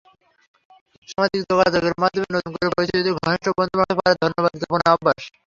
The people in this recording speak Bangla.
সামাজিক যোগাযোগের মাধ্যমে নতুন করে পরিচিতদের ঘনিষ্ঠ বন্ধু বানাতে পারে ধন্যবাদ জ্ঞাপনের অভ্যাস।